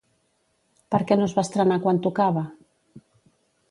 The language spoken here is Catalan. Per què no es va estrenar quan tocava?